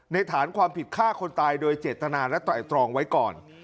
ฐานความผิดฆ่าคนตายโดยเจตนาและไตรตรองไว้ก่อน